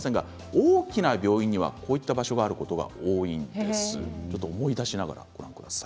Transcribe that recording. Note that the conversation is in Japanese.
大きな病院にはこういった場所があることが多いんです。